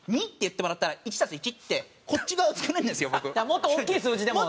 もっと大きい数字でもって事。